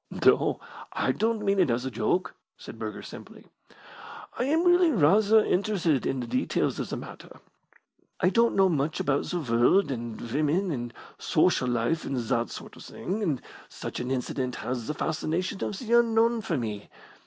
"No, I don't mean it as a joke," said Burger, simply. "I am really rather interested in the details of the matter. I don't know much about the world and women and social life and that sort of thing, and such an incident has the fascination of the unknown for me.